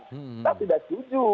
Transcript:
kita tidak setuju